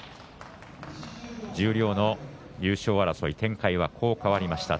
十両の優勝争い展開はこう変わりました。